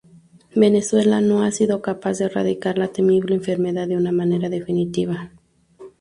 Venezuela no ha sido capaz de erradicar la temible enfermedad de una manera definitiva.